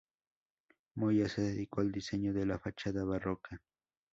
Moya se dedicó al diseño de la fachada barroca.